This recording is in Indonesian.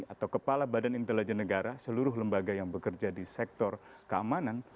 atau kepala badan intelijen negara seluruh lembaga yang bekerja di sektor keamanan